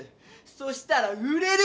そしたら売れる売れる！